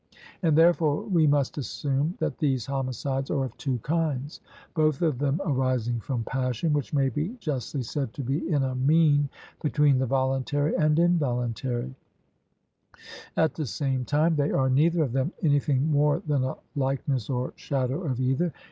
And, therefore, we must assume that these homicides are of two kinds, both of them arising from passion, which may be justly said to be in a mean between the voluntary and involuntary; at the same time, they are neither of them anything more than a likeness or shadow of either.